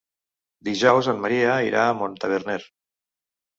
Dijous en Maria irà a Montaverner.